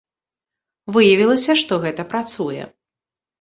Выявілася, што гэта працуе.